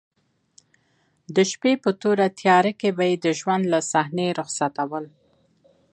د شپې په توره تیاره کې به یې د ژوند له صحنې رخصتول.